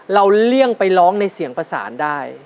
เลี่ยงไปร้องในเสียงประสานได้